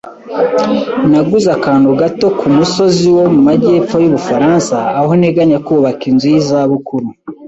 Naguze akantu gato kumusozi wo mu majyepfo yUbufaransa aho nteganya kubaka inzu yizabukuru.